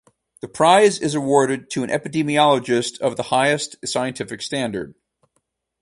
The prize is awarded to an epidemiologist of the highest scientific standard.